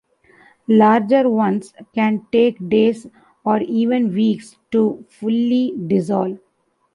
Larger ones can take days or even weeks to fully dissolve.